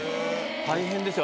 大変ですよ